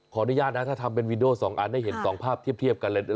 อนุญาตนะถ้าทำเป็นวีดีโอ๒อันได้เห็น๒ภาพเทียบกันเลย